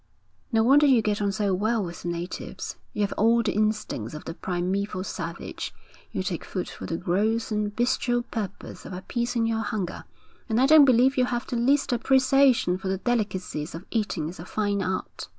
'No wonder you get on so well with the natives. You have all the instincts of the primeval savage. You take food for the gross and bestial purpose of appeasing your hunger, and I don't believe you have the least appreciation for the delicacies of eating as a fine art.'